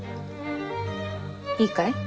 いいかい？